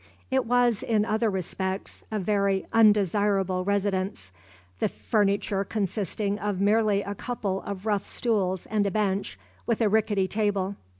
It was, in other respects, a very undesirable residence, the furniture consisting of merely a couple of rough stools and a bench, with a rickety table.